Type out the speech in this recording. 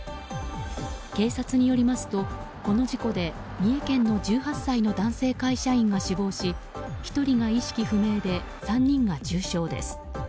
警察によりますとこの事故で三重県の１８歳の男性会社員が死亡し、１人が意識不明で３人が重傷です。